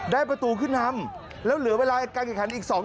ได้ประตูขึ้นทำแล้วเหลือเวลาการกิจคันอีก๒นาที